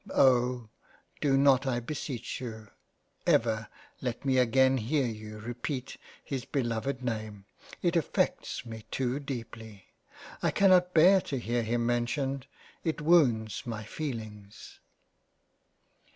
Oh ! do not I beseech you ever let me again hear you repeat his beloved name —. It affects me too deeply —. I cannot bear to hear him mentioned it wounds my feelings."